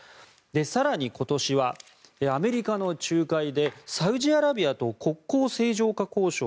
更に、今年はアメリカの仲介でサウジアラビアと国交正常化交渉